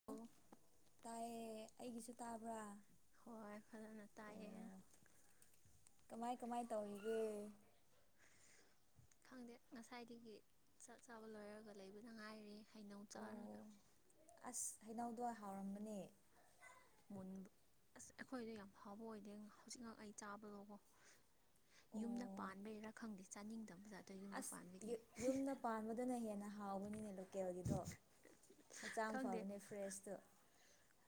[inaudible] ꯇꯥꯏꯌꯦ ꯑꯩꯒꯤꯁꯨ ꯇꯥꯕ꯭ꯔꯥ ꯍꯣꯏ ꯐꯖꯅ ꯇꯥꯏꯌꯦ ꯑꯣ ꯀꯃꯥꯏ ꯀꯃꯥꯏ ꯇꯧꯔꯤꯒꯦ ꯈꯪꯗꯦ ꯉꯁꯥꯏꯗꯒꯤ ꯆꯥꯛ ꯆꯥꯕ ꯂꯣꯏꯔꯒ ꯂꯩꯕꯅ ꯉꯥꯏꯔꯤ ꯍꯩꯅꯧ ꯆꯥꯔꯒ ꯑꯣ ꯑꯁ ꯍꯩꯅꯧꯗꯣ ꯍꯥꯎꯔꯝꯒꯅꯤ ꯃꯨꯟꯕ ꯑꯁ ꯑꯩꯈꯣꯏꯗꯣ ꯌꯥꯝ ꯍꯥꯎꯕ ꯑꯣꯏꯗꯦ ꯍꯧꯖꯤꯛ ꯉ ꯑꯩ ꯆꯥꯕꯗꯣꯀꯣ ꯌꯨꯝꯗ ꯑꯣ ꯄꯥꯟꯕꯩꯔꯥ ꯈꯪꯗꯦ ꯆꯥꯅꯤꯡꯗꯕꯕꯖꯥꯗ ꯌꯨꯝꯗ ꯑꯁ ꯄꯥꯟꯕꯒꯤ ꯌꯨ ꯌꯨꯝꯗ ꯄꯥꯟꯕꯗꯨꯅ ꯍꯦꯟꯅ ꯍꯥꯎꯕꯅꯤꯅꯦ ꯂꯣꯀꯦꯜꯒꯤꯗꯣ ꯍꯛꯆꯥꯡ ꯐꯕꯅꯦ ꯐ꯭ꯔꯦꯁꯇꯨ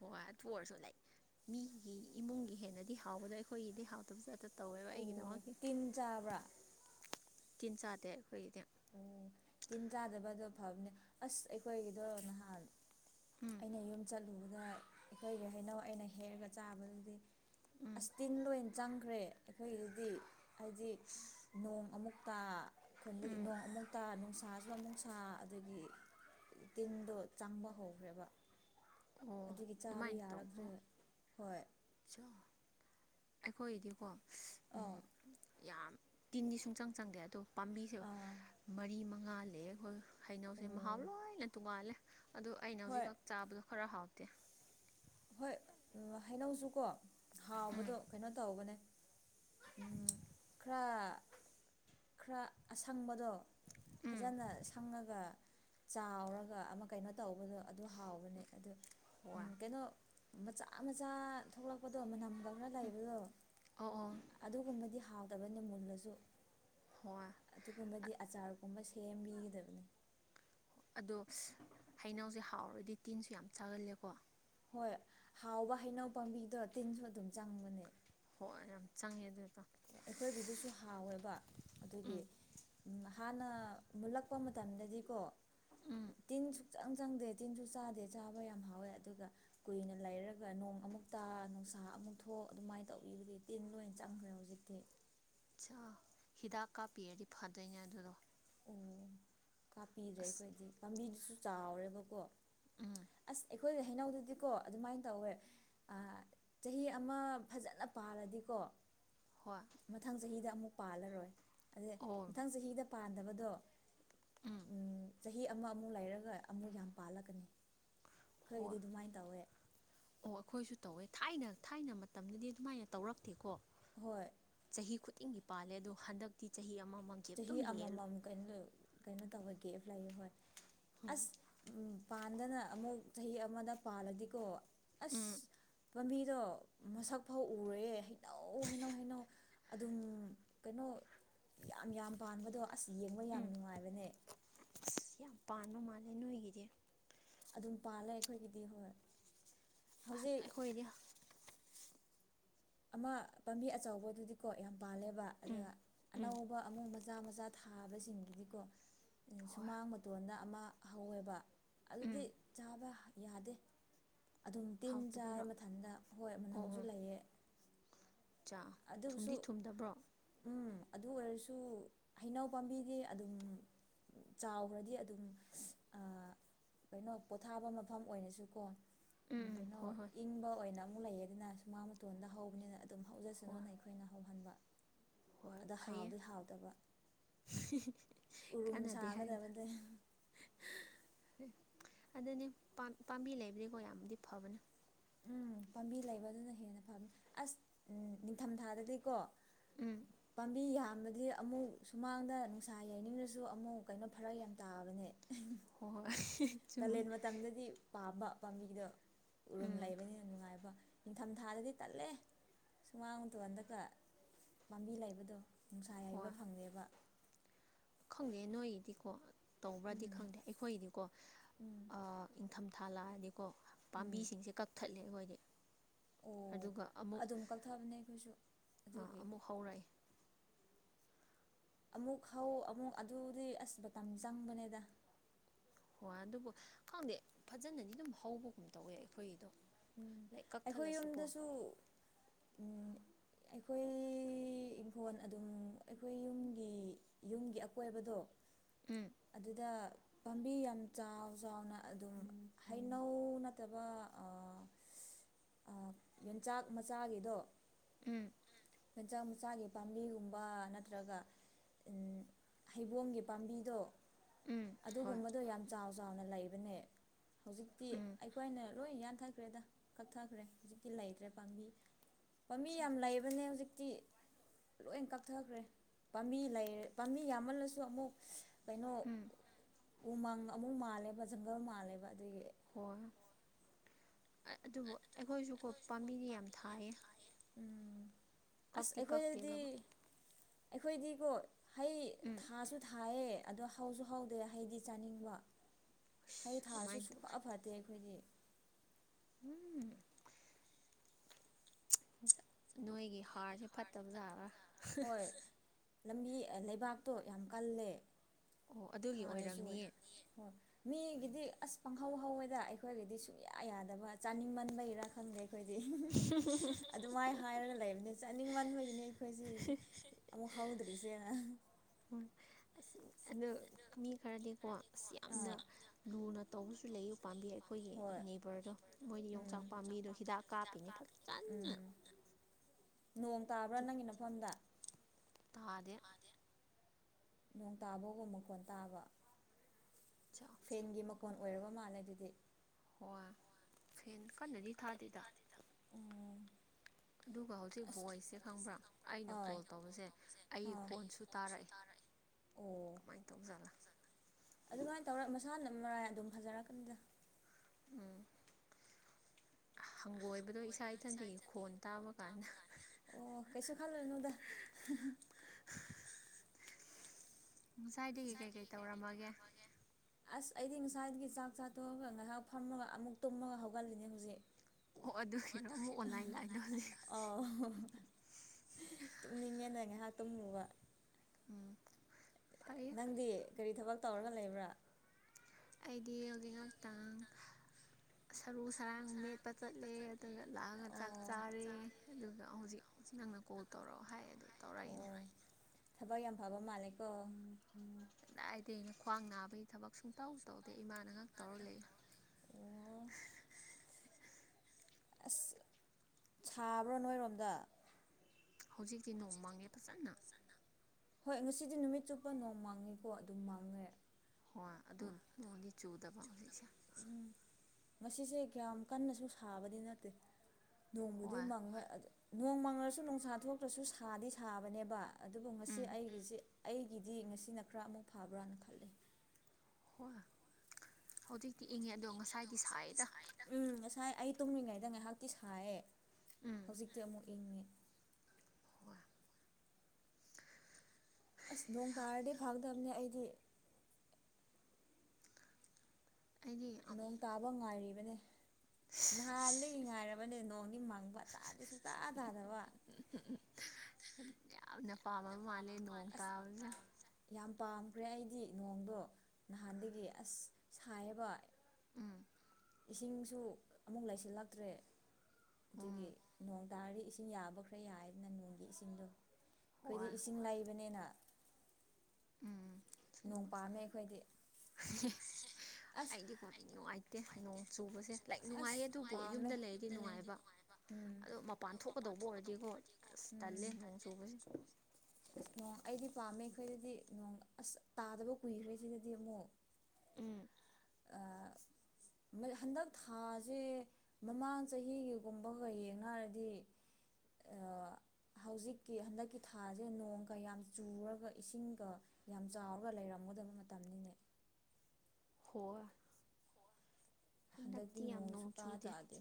ꯍ‌ꯣꯑꯑꯊꯨ ꯑꯣꯏꯔꯁꯨ ꯂꯥꯏꯛ ꯃꯤꯒꯤ ꯏꯃꯨꯡꯒꯤ ꯍꯦꯟꯅꯗꯤ ꯍꯥꯎꯕꯗꯣ ꯑꯩꯈꯣꯏꯒꯤꯗꯤ ꯍꯥꯎꯇꯕ ꯆꯠꯇ ꯇꯧꯋꯦꯕ ꯑꯣ ꯑꯩꯒꯤꯗꯃꯀꯤ ꯇꯤꯟ ꯆꯥꯕ꯭ꯔ ꯇꯤꯟ ꯆꯥꯗꯦ ꯑꯩꯈꯣꯏꯒꯤꯗꯤ ꯑꯨꯝ ꯇꯤꯟ ꯆꯥꯗꯕꯗꯣ ꯐꯕꯅꯦ ꯑꯁ ꯑꯩꯈꯣꯏꯒꯤꯗꯣ ꯅꯍꯥꯟ ꯎꯝ ꯑꯩꯅ ꯌꯨꯝ ꯆꯠꯂꯨꯕꯗ ꯑꯩꯈꯩꯒꯤ ꯍꯥꯏꯩꯅꯧ ꯑꯩꯅ ꯍꯦꯛꯑꯒ ꯆꯥꯕꯗꯨꯗꯤ ꯎꯝ ꯑꯁ ꯇꯤꯟ ꯂꯣꯏ ꯆꯪꯈ꯭ꯔꯦ ꯑꯩꯈꯣꯏꯒꯤꯗꯤ ꯍꯥꯏꯗꯤ ꯅꯣꯡ ꯑꯃꯨꯛ ꯇꯥ ꯈꯨꯟꯗꯗꯤ ꯎꯝ ꯅꯣꯡ ꯑꯃꯨꯛ ꯇꯥ ꯅꯨꯡꯁꯥꯁꯨ ꯑꯃꯨꯛꯁꯥ ꯑꯗꯒꯤ ꯇꯤꯟꯗꯣ ꯆꯪꯕ ꯍꯧꯈ꯭ꯔꯦꯕ ꯑꯣ ꯑꯗꯨꯒꯤ ꯆꯥꯕ ꯑꯗꯨꯃꯥꯏꯅ ꯇꯧꯕ ꯌꯥꯔꯛꯇ꯭ꯔꯦ ꯍꯣꯏ ꯑꯩꯈꯣꯏꯒꯤꯗꯤꯀꯣ ꯎꯝ ꯑꯥ ꯌꯥꯝ ꯇꯤꯟꯗꯤ ꯁꯨꯡꯆꯪ ꯆꯪꯗꯦ ꯑꯗꯣ ꯄꯥꯝꯕꯤꯁꯦ ꯑꯥ ꯃꯔꯤ ꯃꯪꯉꯥ ꯂꯩꯌꯦ ꯈꯣꯏ ꯍꯩꯅꯧꯁꯦ ꯃꯍꯥꯎ ꯑꯣ ꯂꯣꯏꯅ ꯇꯣꯡꯉꯥꯜꯂꯦ ꯑꯗꯨ ꯑꯩꯅ ꯍꯣꯏ ꯍꯧꯖꯤꯛꯈꯛ ꯆꯥꯕꯗꯣ ꯈꯔ ꯍꯥꯎꯇꯦ ꯍꯣꯏ ꯍꯩꯅꯧꯁꯨꯀꯣ ꯎꯝ ꯍꯥꯎꯕꯗꯣ ꯀꯩꯅꯣ ꯇꯧꯕꯅꯦ ꯎꯝ ꯈꯔ ꯈꯔ ꯑꯁꯪꯕꯗꯣ ꯎꯝ ꯐꯖꯅ ꯁꯥ ꯁꯪꯉꯒ ꯆꯥꯎꯔꯒ ꯑꯃ ꯀꯩꯅꯣ ꯇꯧꯕꯗꯣ ꯑꯗꯨ ꯍꯥꯎꯕꯅꯦ ꯑꯗꯨ ꯍꯣꯏ ꯎꯝ ꯀꯩꯅꯣ ꯃꯆꯥ ꯃꯆꯥ ꯊꯣꯛꯂꯛꯄꯗꯣ ꯃꯅꯝꯒ ꯈꯔ ꯂꯩꯕꯗꯣ ꯑꯧ ꯑꯧ ꯑꯗꯨꯒꯨꯝꯕꯗꯤ ꯍꯥꯎꯇꯕꯅꯦ ꯃꯨꯜꯂꯁꯨ ꯍꯣꯏ ꯑꯗꯨꯒꯨꯝꯕꯗꯤ ꯑꯆꯥꯔ ꯒꯨꯝꯕ ꯁꯦꯝꯕꯤꯒꯗꯕꯅꯤ ꯑꯗꯣ ꯍꯩꯅꯧꯁꯦ ꯍꯥꯎꯔꯗꯤ ꯇꯤꯟꯁꯨ ꯌꯥꯝ ꯆꯥꯒꯜꯂꯦꯀꯣ ꯍꯣꯏ ꯍꯥꯎꯕ ꯍꯩꯅꯧ ꯄꯥꯝꯕꯤꯗꯣ ꯇꯤꯟꯁꯨ ꯑꯗꯨꯝ ꯆꯪꯕꯅꯦ ꯍꯣꯏ ꯌꯥꯝ ꯆꯪꯉꯦ ꯑꯗꯨꯗꯣ ꯑꯩꯈꯣꯏꯕꯨꯗꯨꯁꯨ ꯍꯥꯎꯋꯦꯕ ꯑꯗꯨꯗꯒꯤ ꯎꯝ ꯍꯥꯟꯅ ꯃꯨꯠꯂꯛꯄ ꯃꯇꯝꯗꯗꯤꯀꯣ ꯎꯝ ꯇꯤꯟꯁꯨ ꯆꯪ ꯆꯪꯗꯦ ꯇꯤꯟꯁꯨ ꯆꯥꯗꯦ ꯆꯥꯕ ꯌꯥꯝ ꯍꯥꯎꯋꯦ ꯑꯗꯨꯒ ꯀꯨꯏꯅ ꯂꯩꯔꯒ ꯅꯣꯡ ꯑꯃꯨꯛꯇ ꯅꯨꯡꯁꯥ ꯑꯃꯨꯛ ꯊꯣꯛ ꯑꯗꯨꯃꯥꯏꯅ ꯇꯧꯕꯤꯕꯗꯤ ꯇꯤꯟ ꯂꯣꯏꯅ ꯆꯪꯈ꯭ꯔꯦ ꯍꯧꯖꯤꯛꯤ [unintelligible] ꯑꯆꯥ ꯍꯤꯗꯥꯛ ꯀꯥꯞꯄꯤꯔꯗꯤ ꯐꯥꯗꯣꯏꯅꯦ ꯑꯗꯨꯗꯣ ꯎ ꯀꯥꯞꯄꯤꯗ꯭ꯔꯦ ꯑꯁ ꯑꯩꯈꯣꯏꯗꯤ ꯄꯥꯝꯕꯤꯗꯨꯁꯨ ꯆꯥꯎꯔꯦꯕꯀꯣ ꯎꯝ ꯑꯁ ꯑꯩꯈꯣꯏꯗꯤ ꯍꯩꯅꯧꯗꯗꯤꯀꯣ ꯑꯗꯨꯃꯥꯏꯅ ꯇꯧꯋꯦ ꯆꯍꯤ ꯑꯃ ꯐꯖꯅ ꯄꯥꯜꯂꯗꯤꯀꯣ ꯍꯣꯏ ꯃꯊꯪ ꯆꯍꯤꯗ ꯑꯃꯨꯛ ꯄꯥꯜꯂꯔꯣꯏ ꯑꯗꯩ ꯑꯣ ꯃꯊꯪ ꯆꯍꯤꯗ ꯄꯥꯟꯗꯕꯗꯣ ꯎꯝ ꯆꯍꯤ ꯑꯃ ꯑꯃꯨꯛ ꯂꯩꯔꯒ ꯑꯃꯨꯛ ꯌꯥꯝ ꯄꯥꯜꯂꯛꯀꯅꯤ ꯈꯔꯒꯤꯗꯤ ꯍꯣꯏ ꯑꯗꯨꯃꯥꯏꯅ ꯇꯧꯋꯦ ꯑꯣ ꯑꯩꯈꯣꯏꯁꯨ ꯇꯧꯋꯦ ꯊꯥꯏꯅ ꯊꯥꯏꯅ ꯃꯇꯝꯗꯗꯤ ꯑꯗꯨꯃꯥꯏꯅ ꯇꯧꯔꯛꯇꯦꯀꯣ ꯍꯣꯏ ꯆꯍꯤ ꯈꯨꯗꯤꯡꯒꯤ ꯄꯥꯜꯂꯦ ꯑꯗꯣ ꯍꯟꯗꯛꯇꯤ ꯆꯍꯤ ꯑꯃꯃꯝ ꯆꯍꯤ ꯑꯃꯃꯝ ꯀꯩꯅꯣ ꯀꯩꯅꯣ ꯇꯧꯕ ꯒꯦꯞ ꯂꯩꯌꯦ ꯍꯣꯏ ꯎꯝ ꯑꯁ ꯄꯥꯟꯗꯅ ꯑꯃꯨꯛ ꯆꯍꯤ ꯑꯃꯗ ꯄꯥꯜꯂꯗꯤꯀꯣ ꯎꯝ ꯑꯁ ꯄꯥꯝꯕꯤꯗꯣ ꯃꯁꯛ ꯐꯥꯎ ꯎꯔꯣꯏꯌꯦ ꯍꯩꯅꯧ ꯍꯩꯅꯧ ꯍꯩꯅꯧ ꯑꯗꯨꯝ ꯀꯩꯅꯣ ꯌꯥꯝ ꯌꯥꯝ ꯄꯥꯟꯕꯗꯣ ꯑꯁ ꯌꯦꯡꯕ ꯌꯥꯝ ꯎꯝ ꯅꯨꯡꯉꯥꯏꯕꯅꯦ ꯑꯁ ꯌꯥꯝ ꯄꯥꯟꯕꯥ ꯃꯥꯜꯂꯦ ꯅꯣꯏꯒꯤꯗꯤ ꯑꯗꯨꯝ ꯄꯥꯜꯂꯦ ꯑꯩꯈꯣꯏꯒꯤꯗꯤ ꯍꯣꯏ ꯍꯧꯖꯤꯛ ꯑꯩꯈꯣꯏꯗꯤ ꯑꯃ ꯄꯥꯝꯕꯤ ꯑꯆꯧꯕꯗꯨꯗꯤꯀꯣ ꯌꯥꯝ ꯄꯥꯜꯂꯦꯕ ꯎꯝ ꯑꯗꯨꯒ ꯎꯝ ꯑꯅꯧ ꯀꯣ ꯑꯃꯨꯛ ꯃꯆꯥ ꯃꯆꯥ ꯊꯥꯕꯁꯤꯡꯒꯤꯗꯤꯀꯣ ꯍꯣꯏ ꯁꯨꯃꯥꯡ ꯃꯇꯣꯟꯗ ꯑꯃ ꯍꯧꯋꯦꯕ ꯎꯝ ꯑꯗꯨꯗꯤ ꯆꯥꯕ ꯌꯥꯗꯦ ꯑꯗꯨꯝ ꯇꯤꯟ ꯆꯥꯏ ꯍꯥꯎꯇꯕꯩꯔꯣ ꯃꯊꯟꯇ ꯍꯣꯏ ꯑꯣ ꯃꯅꯝꯁꯨ ꯑꯣ ꯂꯩꯌꯦ ꯆꯥ ꯑꯗꯨꯁꯨ ꯊꯨꯝꯗꯤ ꯊꯨꯝꯗꯕ꯭ꯔꯣ ꯎꯝ ꯑꯗꯨ ꯑꯣꯏꯔꯁꯨ ꯍꯩꯅꯎ ꯄꯥꯝꯕꯤꯗꯤ ꯑꯗꯨꯝ ꯆꯥꯎꯈ꯭ꯔꯗꯤ ꯑꯗꯨꯝ ꯀꯩꯅꯣ ꯄꯣꯊꯥꯕ ꯃꯐꯝ ꯑꯣꯏꯔꯁꯨꯀꯣ ꯎꯝ ꯎꯝ ꯀꯩꯅꯣ ꯍꯣꯏ ꯍꯣꯏ ꯏꯪꯕ ꯑꯣꯏꯅ ꯑꯃꯨꯛ ꯂꯩꯌꯦ ꯑꯗꯨꯅ ꯁꯨꯃꯥꯡ ꯃꯇꯣꯟꯗ ꯍꯧꯕꯅꯤꯅ ꯑꯗꯨꯝ ꯍꯧꯖ ꯍꯣꯏ ꯑꯩꯈꯣꯏꯅ ꯍꯧꯍꯟꯕ ꯍꯣꯏ ꯑꯗ ꯐꯩꯌꯦ ꯍꯥꯎꯗꯤ ꯍꯥꯎꯇꯕ ꯎꯔꯨꯝ ꯀꯥꯟꯅꯗꯦ ꯍꯥꯏꯕꯗ ꯁꯥꯒꯗꯕꯗꯤ ꯑꯗꯨꯅꯦ ꯄꯥ ꯄꯥꯝꯕꯤ ꯂꯩꯕꯅꯦꯀꯣ ꯌꯥꯝꯗꯤ ꯐꯕꯅꯦ ꯎꯝ ꯄꯥꯝꯕꯤ ꯂꯩꯕꯗꯨꯅ ꯍꯦꯟꯅ ꯐꯕꯅꯤ ꯑꯁ ꯅꯤꯡꯊꯝ ꯊꯥꯗꯗꯤꯀꯣ ꯎꯝ ꯄꯥꯝꯕꯤ ꯌꯥꯝꯕꯗꯤ ꯑꯃꯨꯛ ꯁꯨꯃꯥꯡꯗ ꯅꯨꯡꯁꯥ ꯌꯥꯩꯅꯤꯡꯔꯁꯨ ꯑꯃꯨꯛ ꯀꯩꯅꯣ ꯐꯔꯛ ꯌꯥꯝ ꯇꯥꯕꯅꯦ ꯍꯣꯏ [unintelligible] ꯀꯥꯂꯦꯟ ꯃꯇꯝꯗꯗꯤ ꯄꯥꯝꯕ ꯄꯥꯝꯕꯤꯗꯣ ꯎꯔꯨꯝ ꯎꯝ ꯂꯩꯕꯅꯤꯅ ꯅꯨꯡꯉꯥꯏꯕ ꯅꯤꯡꯊꯝ ꯊꯥꯗꯗꯤ ꯇꯜꯂꯦ ꯁꯨꯃꯥꯡ ꯃꯇꯣꯟꯗꯒ ꯄꯥꯝꯕꯤ ꯂꯩꯕꯗꯣ ꯅꯨꯡꯁꯥ ꯌꯥꯏꯕ ꯍꯣꯏ ꯐꯪꯉꯦꯕ ꯈꯪꯗꯦ ꯅꯣꯏꯒꯤꯗꯤꯀꯣ ꯇꯧꯕ꯭ꯔꯗꯤ ꯎꯝ ꯈꯪꯗꯦ ꯑꯩꯈꯣꯏꯒꯤꯗꯤꯀꯣ ꯎꯝ ꯑꯥ ꯏꯪ ꯊꯝꯊꯥꯂꯥꯛꯑꯗꯤꯀꯣ ꯎꯝ ꯄꯥꯝꯕꯤꯁꯤꯡꯁꯦ ꯀꯛꯊꯠꯂꯦ ꯑꯩꯈꯣꯏꯗꯤ ꯑꯣ ꯑꯗꯨꯒ ꯑꯃꯨꯛ ꯑꯗꯨꯝ ꯀꯛꯊꯕꯅꯦ ꯑꯩꯈꯣꯏꯁꯨ ꯑ ꯑꯗꯨꯒꯤ ꯑꯃꯨꯛ ꯍꯧꯔꯛꯏ ꯑꯃꯨꯛ ꯍꯧ ꯑꯃꯨꯛ ꯑꯗꯨꯗꯤ ꯑꯁ ꯃꯇꯝ ꯆꯪꯕꯅꯦꯗ ꯍ ꯑꯗꯨꯕꯨ ꯈꯪꯗꯦ ꯐꯖꯅꯗꯤ ꯑꯗꯨꯝ ꯍꯧꯕꯒꯨꯝ ꯇꯧꯋꯦ ꯑꯩꯈꯣꯏꯒꯤꯗꯣ ꯎꯝ [unintelligible] ꯑꯩꯈꯣꯏ ꯀꯛꯊꯠꯂꯁꯨꯀꯣ ꯌꯨꯝꯗꯁꯨ ꯎꯝ, ꯑꯩꯈꯣꯏ ꯑꯩ ꯏꯪꯈꯣꯜ ꯑꯗꯨꯝ ꯑꯩꯈꯣꯏ ꯌꯨꯝꯒꯤ ꯌꯨꯝꯒꯤ ꯑꯀꯣꯏꯕꯗꯣ ꯎꯝ ꯑꯗꯨꯗ ꯄꯥꯝꯕꯤ ꯌꯥꯝ ꯆꯥꯎ ꯆꯥꯎꯅ ꯑꯗꯨꯝ ꯍꯩꯅꯧ ꯅꯠꯇꯕ ꯑ ꯑ ꯌꯟꯆꯥꯛ ꯃꯆꯥꯒꯤꯗꯣ ꯎꯝ ꯃꯆꯥ ꯃꯆꯥꯒꯤ ꯄꯥꯝꯕꯤꯒꯨꯝꯕ ꯅꯠꯇ꯭ꯔꯒ ꯎꯝ ꯍꯩꯕꯣꯡꯒꯤ ꯄꯥꯝꯕꯤꯗꯣ ꯎꯝ ꯍꯣꯏ ꯑꯗꯨꯒꯨꯝꯕꯗꯣ ꯌꯥꯝ ꯆꯥꯎ ꯆꯥꯎꯅ ꯂꯩꯕꯅꯦ ꯍꯧꯖꯤꯛꯇꯤ ꯎꯝ ꯑꯩꯈꯣꯏꯅ ꯂꯣꯏ ꯌꯥꯟꯊꯈ꯭ꯔꯦꯗ ꯀꯛꯊꯈ꯭ꯔꯦ ꯍꯧꯖꯤꯛꯇꯤ ꯂꯩꯇ꯭ꯔꯦ ꯄꯥꯝꯕꯤ ꯄꯥꯝꯕꯤ ꯆꯥ ꯌꯥꯝ ꯂꯩꯕꯅꯦ ꯍꯧꯖꯤꯛꯇꯤ [inaudible] ꯂꯣꯏ ꯀꯛꯊꯈ꯭ꯔꯦ ꯄꯥꯝꯕꯤ ꯂꯩꯔ ꯄꯥꯝꯕꯤ ꯌꯥꯝꯃꯜꯂꯁꯨ ꯑꯃꯨꯛ ꯀꯩꯅꯣ ꯎꯝ ꯎꯃꯪ ꯑꯃꯨꯛ ꯃꯥꯜꯂꯦꯕ ꯖꯪꯒꯜ ꯃꯥꯜꯂꯦꯕ ꯑꯗꯨꯒꯤ ꯍꯣꯏ ꯑꯗꯨꯕꯨ ꯑꯩꯈꯣꯏꯁꯨꯀꯣ ꯄꯥꯝꯕꯤꯗꯤ ꯌꯥꯝ ꯊꯥꯏꯌꯦ ꯎꯝ ꯑꯁ ꯀꯛꯇꯤ ꯀꯛꯇꯦ ꯑꯩꯈꯣꯏꯗꯗꯤ ꯑꯗꯨꯒ ꯑꯩꯈꯣꯏꯗꯤꯀꯣ ꯍꯩ ꯎꯝ ꯊꯥꯁꯨ ꯊꯥꯏꯌꯦ ꯑꯗꯣ ꯍꯧꯁꯨ ꯍꯧꯗꯦ ꯍꯩꯗꯤ ꯆꯥꯅꯤꯡꯕ ꯍꯩ ꯑꯁ ꯊꯥꯔꯁꯨ ꯀꯃꯥꯏꯅ ꯇꯧꯁꯦ ꯁꯨꯡꯐ ꯐꯠꯇꯦ ꯑꯩꯈꯣꯏꯗꯤ ꯎꯝ ꯅꯣꯏꯒꯤ ꯍꯥꯔꯁꯦ ꯐꯠꯇꯕꯖꯥꯔꯥ ꯍꯣꯏ ꯂꯝꯕꯤ ꯂꯩꯕꯥꯛꯇꯣ ꯌꯥꯝ ꯀꯜꯂꯦ ꯑꯣ ꯑꯗꯨꯒꯤ ꯊꯥꯔꯁꯨ ꯑꯣꯏꯔꯝꯅꯤꯌꯦ ꯍꯣꯏ ꯃꯤꯒꯤꯗꯤ ꯑꯁ ꯄꯪꯍꯧ ꯍꯧꯋꯦꯗ ꯑꯩꯈꯣꯏꯒꯤꯗꯤ ꯁꯨꯡꯌꯥ ꯌꯥꯗꯕ ꯆꯥꯅꯤꯡꯃꯟꯕꯩꯔꯥ ꯈꯪꯗꯦ ꯑꯩꯈꯣꯏꯗꯤ ꯑꯗꯨꯃꯥꯏꯅ ꯍꯥꯏꯔꯒ ꯂꯩꯕꯅꯦ ꯆꯠꯅꯤꯡꯕ ꯍꯣꯏꯒꯤꯅꯤ ꯑꯩꯈꯣꯏꯁꯤꯁꯦ ꯑꯃꯨꯛ ꯍꯧꯗ꯭ꯔꯤꯁꯦꯅ [unintelligible] ꯑꯁ ꯑꯗꯨ ꯃꯤ ꯈꯔꯗꯤꯀꯣ ꯑꯁ ꯌꯥꯝꯅ ꯂꯨꯅ ꯇꯧꯕꯁꯨ ꯂꯩꯌꯦ ꯎ ꯄꯥꯝꯕꯤ ꯑꯩꯈꯣꯏꯒꯤ ꯍꯣꯏ ꯅꯦꯕꯔꯗꯣ ꯃꯣꯏꯗꯤ ꯌꯣꯡꯆꯥꯛ ꯄꯥꯝꯕꯤꯗꯣ ꯍꯤꯗꯥꯛ ꯀꯥꯞꯄꯤꯅꯦ ꯐꯖꯟ ꯎꯝ ꯅꯣꯡ ꯇꯥꯕ꯭ꯔ ꯅꯪꯒꯤ ꯅꯐꯝꯗ ꯇꯥꯗꯦ ꯅꯣꯡ ꯇꯥꯕꯒꯨꯝ ꯃꯈꯣꯟ ꯇꯥꯕ ꯆꯥꯛꯑꯣ ꯐꯦꯟꯒꯤ ꯃꯈꯣꯟ ꯑꯣꯏꯔꯕ ꯃꯥꯥꯜꯂꯦ ꯑꯗꯨꯗꯤ ꯍꯣꯏ ꯐꯦꯟ ꯀꯟꯅꯗꯤ ꯊꯥꯗꯦꯗ ꯎꯝ ꯑꯗꯨꯒ ꯍꯧꯖꯤꯛ ꯚꯣꯏꯁꯁꯦ ꯈꯪꯕ꯭ꯔ ꯑꯩꯅ ꯀꯣꯜ ꯇꯧꯕꯁꯦ ꯑꯩ ꯈꯣꯟꯁꯨ ꯇꯥꯔꯛꯑꯦ ꯑꯣ ꯀꯃꯥꯏ ꯇꯧꯖꯥꯠꯂ ꯑꯗꯨꯃꯥꯏꯅ ꯇꯧꯔꯦ ꯃꯁꯥꯅ ꯃꯔꯥꯏ ꯑꯗꯨꯝ ꯐꯖꯔꯛꯀꯅꯤꯗ ꯎꯝ ꯍꯪꯒꯣꯏꯕꯗꯣ ꯏꯁꯥ ꯏꯊꯟꯇꯒꯤ ꯈꯣꯟ ꯇꯥꯕ ꯀꯥꯟꯗ ꯑꯣ ꯀꯩꯁꯨ ꯈꯜꯂꯨꯅꯨꯗ ꯉꯁꯥꯏꯗꯒꯤ ꯀꯩꯀꯩ ꯇꯧꯔꯝꯃꯒꯦ ꯑꯁ ꯑꯩꯗꯤ ꯉꯁꯥꯏꯗꯒꯤ ꯆꯥꯛ ꯆꯥꯊꯣꯛꯑꯒ ꯉꯥꯏꯍꯥꯛ ꯐꯝꯃꯒ ꯑꯃꯨꯛ ꯇꯨꯝꯃꯒ ꯍꯧꯒꯠꯂꯤꯅꯦ ꯍꯧꯖꯤꯛ ꯑꯣ ꯑꯗꯨꯒꯤꯔꯣ ꯑꯃꯨꯛ ꯑꯣꯟꯂꯥꯏꯟ ꯂꯥꯛꯏꯗꯣ ꯍꯧꯖꯤꯛ ꯑꯧ ꯇꯨꯝꯅꯤꯡꯉꯦꯅ ꯉꯥꯏꯍꯥꯛ ꯇꯨꯝꯃꯨꯕ ꯎꯝ ꯐꯩ ꯅꯪꯗꯤ ꯀꯔꯤ ꯊꯕꯛ ꯇꯧꯔꯒ ꯂꯩꯕ꯭ꯔ ꯑꯩꯗꯤ ꯍꯧꯖꯤꯛ ꯉꯥꯛꯇꯪ ꯁꯔꯨ ꯁꯔꯥꯡ ꯃꯦꯠꯄ ꯆꯠꯂꯦ ꯑꯗꯨꯒ ꯂꯥꯛꯑꯒ ꯆꯥꯛ ꯆꯥꯔꯦ ꯑꯗꯨꯒ ꯍꯧꯖꯤꯛ ꯅꯪꯅ ꯀꯣꯜ ꯇꯧꯔꯛꯑꯣ ꯍꯥꯏ ꯑꯗꯨ ꯇꯧꯔꯛꯏꯅꯦ ꯊꯕꯛ ꯌꯥꯝ ꯐꯕ ꯃꯥꯜꯂꯦꯀꯣ ꯀꯗꯥꯏꯗꯩ ꯑꯩꯅ ꯈ꯭ꯋꯥꯡ ꯅꯥꯕꯒꯤ ꯊꯕꯛ ꯁꯨꯡꯇꯧ ꯇꯧꯗꯦ ꯏꯃꯥꯅ ꯉꯥꯛ ꯇꯧꯔ ꯂꯩ ꯑꯣ ꯑꯁ ꯁꯥꯕ꯭ꯔꯣ ꯅꯣꯏꯔꯣꯝꯗ ꯍꯧꯖꯤꯛꯇꯤ ꯅꯣꯡ ꯃꯥꯡꯉꯦ ꯐꯖꯅ ꯍꯣꯏ ꯉꯁꯤꯗꯤ ꯅꯨꯃꯤꯠ ꯆꯨꯞꯄ ꯅꯣꯡ ꯃꯪꯉꯤꯀꯣ ꯑꯗꯨꯝ ꯃꯪꯉꯦ ꯍꯣꯏ ꯑꯗꯨ ꯅꯣꯡꯗꯤ ꯆꯨꯗꯕ ꯍꯧꯖꯤꯛꯁꯦ ꯎꯝ ꯉꯁꯤꯁꯦ ꯀꯌꯥꯝ ꯀꯟꯅꯁꯨ ꯁꯥꯕꯗꯤ ꯅꯠꯇꯦ ꯅꯣꯡꯕꯨꯗꯤ ꯍꯣꯏ ꯃꯪꯉ ꯑꯗꯨ ꯅꯣꯡ ꯃꯪꯉꯁꯨ ꯅꯨꯡꯁꯥ ꯊꯣꯛꯇ꯭ꯔꯁꯨ ꯁꯥꯗꯤ ꯁꯥꯕꯅꯦꯕ ꯑꯗꯨꯕꯨ ꯉꯁꯤ ꯎꯝ ꯑꯩꯒꯤꯁꯤ ꯑꯩꯒꯤꯗꯤ ꯉꯁꯤꯅ ꯈꯔ ꯑꯃꯨꯛ ꯐꯕ꯭ꯔꯅ ꯈꯜꯂꯤ ꯍꯣꯏ ꯍꯧꯖꯤꯛꯇꯤ ꯏꯪꯉꯦ ꯑꯗꯣ ꯉꯁꯥꯏꯗꯤ ꯁꯥꯏꯌꯦꯗ ꯎꯝ ꯉꯁꯥꯏ ꯑꯩ ꯇꯨꯝꯔꯤꯉꯩꯗ ꯉꯥꯏꯍꯥꯛꯇꯤ ꯁꯥꯏꯌꯦ ꯎꯝ ꯍꯧꯖꯤꯛꯇꯤ ꯑꯃꯨꯛ ꯏꯪꯉꯦ ꯍꯣꯏ ꯑꯁꯣꯡ ꯇꯔꯗꯤ ꯅꯤ ꯑꯩꯗꯤ ꯅꯣꯡ ꯑꯩꯅꯦ ꯇꯥꯕ ꯉꯥꯏꯔꯤꯕꯅꯦ ꯅꯍꯥꯟꯗꯒꯤ ꯉꯥꯏꯔꯕꯅꯦ ꯅꯣꯡꯗꯤ ꯃꯥꯡ ꯋꯥ ꯇꯥꯗꯤ ꯁꯨꯡꯇꯥ ꯇꯥꯗꯕ ꯎ ꯎ ꯌꯥꯝꯅ ꯄꯥꯝꯃꯕ ꯃꯥꯜꯂꯦ ꯅꯣꯡ ꯇꯥꯕꯁꯦ ꯌꯥꯝ ꯄꯥꯝꯈ꯭ꯔꯦ ꯑꯩꯗꯤ ꯅꯣꯡꯗꯣ ꯅꯍꯥꯟꯗꯒꯤ ꯑꯁ ꯁꯥꯏꯑꯕ ꯎꯝ ꯏꯁꯤꯡꯁꯨ ꯑꯃꯨꯛ ꯂꯩꯁꯤꯜꯂꯛꯇ꯭ꯔꯦ ꯎꯝ ꯑꯗꯨꯗꯒꯤ ꯅꯣꯡ ꯇꯔꯗꯤ ꯏꯁꯤꯡ ꯌꯥꯕ ꯈꯔ ꯌꯥꯏꯗꯅ ꯅꯣꯡꯒꯤ ꯏꯁꯤꯡꯗꯣ ꯑꯩꯈꯣꯏꯗꯤ ꯍꯣꯏ ꯏꯁꯤꯡ ꯂꯩꯕꯅꯤꯅ ꯎꯝ ꯅꯣꯡ ꯁꯦꯡꯕ ꯄꯥꯝꯃꯦ ꯑꯩꯈꯣꯏꯗꯤ ꯑꯁ ꯑꯩꯗꯤꯀꯣ ꯅꯨꯡꯉꯥꯏꯇꯦ ꯅꯣꯡ ꯆꯨꯕꯁꯦ ꯂꯥꯏꯀ ꯑꯁ ꯅꯨꯡꯉꯥꯏꯌꯦ ꯑꯗꯨꯕꯨ ꯄꯥꯝꯃꯦ ꯌꯨꯝꯗ ꯂꯩꯔꯗꯤ ꯎꯝ ꯅꯨꯡꯉꯥꯏꯕ ꯎꯝ ꯑꯗꯣ ꯃꯄꯥꯟ ꯊꯣꯛꯀꯗꯧꯕ ꯑꯣꯏꯔꯗꯤꯀꯣ ꯑꯁ ꯎꯝ ꯇꯜꯂꯦ ꯅꯣꯡ ꯆꯨꯕꯁꯦ ꯑꯁ ꯅꯣꯡ ꯑꯩꯗꯤ ꯄꯥꯝꯃꯦ ꯑꯩꯈꯣꯏꯗꯗꯤ ꯅꯣꯡ ꯑꯁ ꯇꯥꯗꯕ ꯀꯨꯏꯈ꯭ꯔꯦ ꯁꯤꯗꯗꯤ ꯑꯃꯨꯛ ꯎꯝ [inaudible] ꯍꯟꯗꯛ ꯊꯥꯁꯦ ꯃꯃꯥꯡ ꯆꯍꯤꯒꯤꯒꯨꯝꯕ ꯍꯣꯏ ꯌꯦꯡꯅꯔꯗꯤ [unintelligible] ꯍꯧꯖꯤꯛꯀꯤ ꯍꯟꯗꯛꯀꯤ ꯊꯥꯁꯦ ꯅꯣꯡꯒ ꯌꯥꯝ ꯆꯨꯔꯒ ꯏꯁꯤꯡꯒ ꯌꯥꯝ ꯆꯥꯎꯔꯒ ꯂꯩꯔꯝꯒꯗꯕ ꯃꯇꯝꯅꯤꯅꯦ ꯍꯣꯋꯥ ꯍꯟꯗꯛꯇꯤ ꯌꯥꯝ ꯅꯣꯡꯁꯨ ꯅꯣꯡ ꯀꯥ ꯆꯨꯗꯦ ꯇꯥꯗꯦ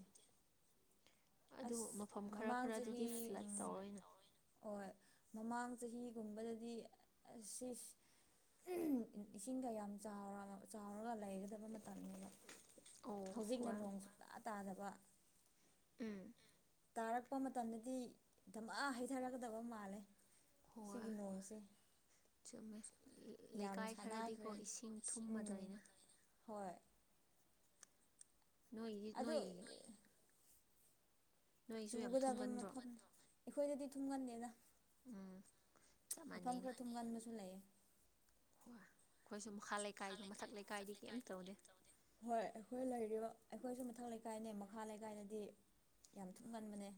ꯑꯗꯨ ꯑꯁ ꯃꯐꯝ ꯈꯔ ꯃꯃꯥꯡ ꯆꯍꯤ ꯈꯔꯗꯗꯤ ꯐ꯭ꯂꯠ ꯇꯧꯔꯦꯅ ꯍꯣꯏ ꯃꯃꯥꯡ ꯆꯍꯤꯒꯨꯝꯕꯗꯗꯤ ꯑꯁꯤ ꯏꯁꯤꯡꯒ ꯌꯥꯝ ꯆꯥꯎꯔꯒ ꯆꯥꯎꯔꯒ ꯂꯩꯒꯗꯕ ꯃꯇꯝꯅꯤꯕ ꯑꯣ ꯍꯧꯖꯤꯛꯅ ꯍꯣꯏ ꯅꯣꯡ ꯁꯨꯡꯇꯥ ꯇꯥꯗꯕ ꯎꯝ ꯇꯥꯔꯛꯄ ꯃꯇꯝꯗꯗꯤ ꯙꯃꯥ ꯍꯩꯊꯔꯛꯀꯗꯕ ꯃꯥꯜꯂꯦ ꯍꯣꯏ ꯁꯤꯒꯤ ꯅꯣꯡꯁꯦ ꯆꯨꯝꯃꯦ ꯌꯥꯝ ꯂꯩꯀꯥꯏ ꯈꯔꯗꯤꯀꯣ ꯁꯥꯟꯅꯈ꯭ꯔꯦ ꯏꯁꯤꯡ ꯎꯝ ꯊꯨꯝꯃꯗꯣꯏꯅꯦ ꯍꯣꯏ ꯅꯣꯏꯒꯤ ꯑꯗꯨ ꯅꯣꯏ ꯅꯣꯏꯁꯨ ꯌꯥꯝ ꯆꯨꯒꯗꯕ ꯊꯨꯝꯒꯟꯕ꯭ꯔꯣ ꯃꯐꯝꯗꯣ ꯑꯩꯈꯣꯏꯗꯗꯤ ꯊꯨꯡꯒꯟꯗꯦꯗ ꯎꯝ ꯆꯞ ꯃꯐꯝ ꯃꯥꯟꯅꯩꯅꯦ ꯈꯔ ꯊꯨꯝꯒꯟꯕꯁꯨ ꯂꯩꯌꯦ ꯍꯣꯏ ꯑꯩꯈꯣꯏꯁꯨ ꯃꯈꯥ ꯂꯩꯀꯥꯏꯗꯣ ꯃꯊꯛ ꯂꯩꯀꯥꯏꯗꯤ ꯀꯩꯝꯇꯧꯗꯦ ꯍꯣꯏ ꯑꯩꯈꯣꯏ ꯂꯩꯔꯤꯕ ꯑꯩꯈꯣꯏꯁꯨ ꯃꯊꯛ ꯂꯩꯀꯥꯏꯅꯦ ꯃꯈꯥ ꯂꯩꯀꯥꯏꯅꯗꯤ ꯌꯥꯝ ꯊꯨꯝ ꯉꯟꯕꯅꯦ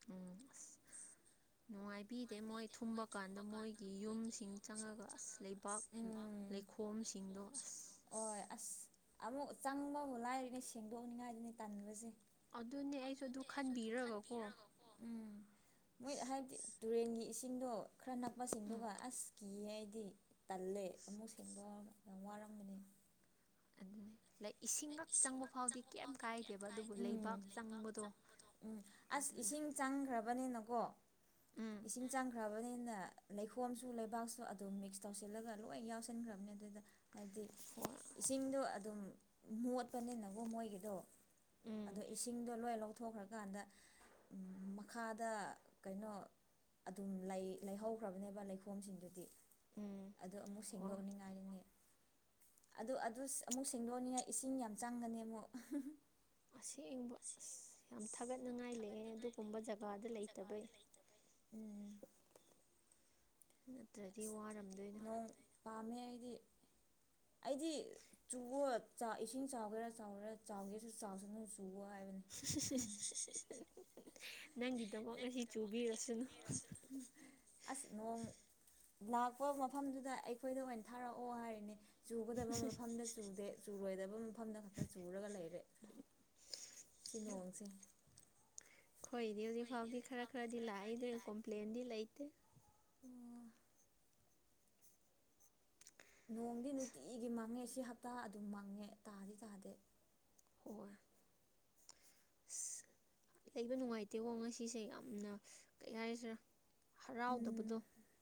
ꯎꯝ ꯑ [inaudible] ꯅꯨꯡꯉꯥꯏꯕꯤꯗꯦ ꯃꯣꯏ ꯊꯨꯝꯕ ꯀꯥꯟꯗ ꯃꯣꯏꯒꯤ ꯌꯨꯝꯁꯤꯡ ꯆꯪꯉꯒ ꯑꯁ ꯂꯩ ꯄꯥꯛ ꯂꯩꯈꯣꯝꯁꯤꯡꯗꯣ ꯑꯁ ꯍꯣꯏ ꯑꯁ ꯑꯃꯨꯛ ꯆꯪꯕꯕꯨ ꯂꯥꯏꯔꯤꯅꯦ ꯁꯦꯡꯗꯣꯛꯅꯤꯡꯉꯥꯏꯗꯨꯅꯦ ꯇꯟꯕꯁꯦ ꯑꯗꯨꯅꯦ ꯑꯩꯁꯨ ꯑꯗꯨ ꯈꯟꯕꯤꯔꯒꯀꯣ ꯎꯝ ꯃꯣꯏ ꯑꯁ ꯍꯥꯏꯕꯗꯤ ꯇꯨꯔꯦꯟꯒꯤ ꯏꯁꯤꯡꯗꯣ ꯈꯔ ꯅꯛꯄꯁꯤꯡꯗꯨꯒ ꯑꯁ ꯀꯤꯌꯦ ꯑꯩꯗꯤ ꯇꯜꯂꯦ ꯑꯁ ꯑꯃꯨꯛ ꯁꯦꯡꯗꯣꯛꯑꯒ ꯌꯥꯝ ꯋꯥꯔꯝꯒꯅꯤ ꯂꯥꯏꯛ ꯏꯁꯤꯡꯒꯛ ꯆꯪꯕ ꯐꯥꯎꯗꯤ ꯀꯩꯝ ꯀꯥꯏꯗꯦꯕ ꯑꯗꯨꯕꯨ ꯂꯩꯕꯥꯛ ꯆꯪꯕꯗꯣ ꯎꯝ ꯑꯁ ꯑꯗꯨꯅ ꯏꯁꯤꯡ ꯆꯪꯈ꯭ꯔꯕꯅꯤꯅꯀꯣ ꯎꯝ ꯏꯁꯤꯡ ꯆꯪꯈ꯭ꯔꯕꯅꯤꯅ ꯂꯩꯈꯣꯝꯁꯨ ꯂꯩꯕꯥꯛꯁꯨ ꯑꯗꯨꯝ ꯃꯤꯛꯁ ꯇꯧꯁꯤꯜꯂꯒ ꯂꯣꯏ ꯌꯥꯎꯁꯟꯈ꯭ꯔꯕꯅꯤ ꯑꯗꯨꯗ ꯍꯥꯏꯕꯗꯤ ꯍꯣꯏ ꯏꯁꯤꯡꯗꯣ ꯑꯗꯨꯝ ꯃꯣꯠꯄꯅꯤꯅꯀꯣ ꯃꯣꯏꯒꯤꯗꯣ ꯎꯝ ꯑꯗꯣ ꯏꯁꯤꯡꯗꯣ ꯂꯣꯏ ꯂꯧꯊꯣꯛ ꯊꯣꯛꯈ꯭ꯔꯀꯥꯟꯗ ꯃꯈꯥꯗ ꯀꯩꯅꯣ ꯑꯗꯨꯝ ꯂꯩ ꯂꯩꯍꯧꯈ꯭ꯔꯕꯅꯦꯕ ꯂꯩꯈꯣꯝꯁꯤꯡꯗꯨꯗꯤ ꯎꯝ ꯑꯗꯨ ꯑꯃꯨꯛ ꯍꯣꯏ ꯁꯦꯡꯗꯣꯛꯅꯤꯡꯉꯥꯏꯅꯤ ꯑꯗꯨ ꯑꯗꯨ ꯑꯃꯨꯛ ꯁꯦꯡꯗꯣꯛꯑꯅꯤꯡꯉꯥꯏ ꯏꯁꯤꯡ ꯌꯥꯝ ꯆꯪꯒꯅꯤ ꯑꯃꯨꯛ ꯑꯁꯦꯡꯕ ꯑꯁ ꯌꯥꯝ ꯊꯥꯒꯠꯅꯤꯡꯉꯥꯏ ꯂꯩꯑꯦ ꯑꯗꯨꯒꯨꯝꯕ ꯖꯒꯥꯗ ꯂꯩꯇꯕꯩ ꯎꯝ ꯅꯠꯇ꯭ꯔꯗꯤ ꯑꯁ ꯋꯥꯔꯝꯗꯣꯏꯗꯨ ꯅꯣꯡ ꯄꯥꯝꯃꯦ ꯑꯩꯗꯤ ꯑꯩꯗꯤ ꯆꯨꯑꯣ ꯏꯁꯤꯡ ꯆꯥꯎꯒꯦꯔꯥ ꯆꯥꯎꯒꯦꯔꯥ ꯆꯥꯎꯒꯦꯁꯨ ꯆꯥꯎꯁꯅꯨ ꯆꯨ ꯋꯥ ꯍꯥꯏꯕꯅꯤ [unintelligible] ꯅꯪꯒꯤꯗꯃꯛ ꯉꯁꯤ ꯆꯨꯕꯤꯔꯁꯅꯨ ꯑꯁ ꯅꯣꯡ ꯂꯥꯛꯄ ꯃꯐꯝꯗꯨꯗ ꯑꯩꯈꯣꯏꯗ ꯑꯣꯏꯅ ꯊꯥꯔꯛꯑꯣ ꯍꯥꯏꯔꯤꯅꯦ ꯆꯨꯒꯗꯕ ꯃꯐꯝꯗ ꯆꯨꯗꯦ ꯆꯨꯔꯣꯏꯗꯕ ꯃꯐꯝꯗ ꯈꯛꯇ ꯆꯨꯔꯒ ꯂꯩꯔꯦ ꯁꯤ ꯅꯣꯡꯁꯦ ꯈꯣꯏꯗꯤ ꯍꯧꯖꯤꯛ ꯐꯥꯎꯗꯤ ꯈꯔ ꯈꯔꯗꯤ ꯂꯥꯛꯏ ꯑꯗꯨ ꯀꯣꯝꯄ꯭ꯂꯦꯟꯗꯤ ꯂꯩꯇꯦ ꯑꯣ ꯅꯣꯡꯗꯤ ꯅꯨꯡꯇꯤꯒꯤ ꯃꯥꯡꯉꯦ ꯁꯤ ꯍꯞꯇꯥ ꯑꯗꯨꯝ ꯃꯥꯡꯉꯦ ꯇꯥꯗꯤ ꯇꯥꯗꯦ ꯍꯣꯏ ꯑꯁ ꯂꯩꯕ ꯅꯨꯡꯉꯥꯏꯇꯦꯀꯣ ꯉꯁꯤꯁꯦ ꯌꯥꯝꯅ ꯀꯩ ꯍꯥꯏꯔꯤꯁꯤꯔꯥ ꯎꯝ ꯍꯔꯥꯎꯗꯕꯗꯣ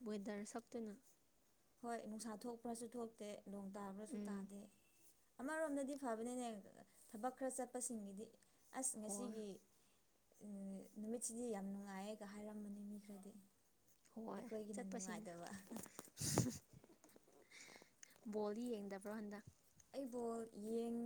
ꯋꯦꯗꯔ ꯁꯛꯇꯨꯅ ꯍꯣꯏ ꯅꯨꯡꯁꯥ ꯊꯣꯛꯄ꯭ꯔꯁꯨ ꯊꯣꯛꯇꯦ ꯅꯣꯡ ꯇꯥꯕ꯭ꯔꯁꯨ ꯎꯝ ꯇꯥꯗꯦ ꯑꯃꯔꯣꯝꯗꯗꯤ ꯐꯕꯅꯤꯅꯦ ꯊꯕꯛ ꯈꯔ ꯆꯠꯄꯁꯤꯡꯒꯤꯗꯤ ꯑꯁ ꯍꯣꯏ ꯉꯁꯤꯒꯤ ꯅꯨꯃꯤꯠꯁꯤꯗꯤ ꯌꯥꯝ ꯅꯨꯡꯉꯥꯏꯌꯦꯒ ꯍꯥꯏꯔꯝꯕꯅꯤ ꯃꯤ ꯈꯔꯗꯤ ꯍꯣꯏ ꯑꯩꯈꯣꯏꯒꯤꯅ ꯆꯠꯄꯁꯤꯡꯗꯣ ꯅꯨꯡꯉꯥꯏꯇꯕ ꯕꯣꯜꯗꯤ ꯌꯦꯡꯗꯕ꯭ꯔꯣ ꯍꯟꯗꯛ ꯑꯩ ꯕꯣꯜ ꯌꯦꯡ